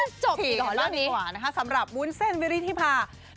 ยังไม่จบสิถี่ขอเรื่องก่อนนะคะสำหรับวุ้นเส้นวิริธิพาห์